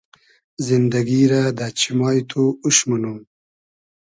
زیندئگی رۂ دۂ چیمای تو اوش مونوم